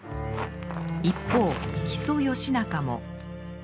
一方木曽義仲も。